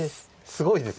すごいです。